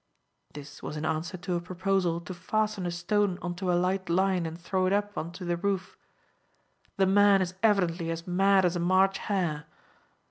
This was in answer to a proposal to fasten a stone on to a light line and throw it up on to the roof. "The man is evidently as mad as a March hare."